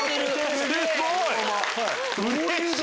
すごい！